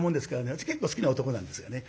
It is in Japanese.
私結構好きな男なんですがね。